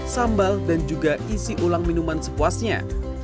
sambal dan juga isi ulang minuman sepuasnya